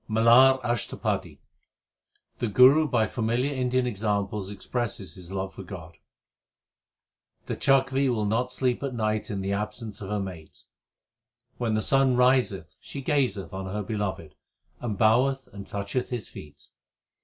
MALAR ASHTAPADI The Guru by familiar Indian examples expresses his love for God : The chakwi will not sleep at night in the absence of her mate. When the sun riseth she gazeth on her beloved, and boweth, and toucheth his feet.